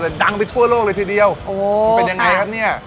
แต่ดังไปทั่วโลกเลยทีเดียวโอ้เป็นยังไงครับเนี่ย